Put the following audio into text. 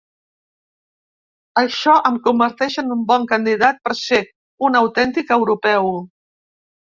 Això em converteix en un bon candidat per ser un autèntic europeu.